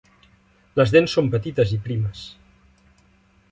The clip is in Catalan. Les dents són petites i primes.